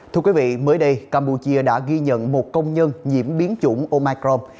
thưa quý vị mới đây campuchia đã ghi nhận một công nhân nhiễm biến chủng omicrom